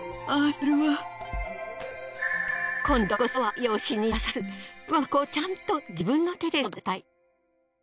今度こそは養子に出さず我が子をちゃんと自分の手で育てたい。